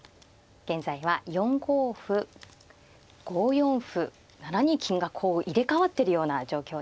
現在は４五歩５四歩７二金がこう入れ代わってるような状況ですね。